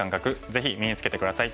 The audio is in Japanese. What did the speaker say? ぜひ身につけて下さい。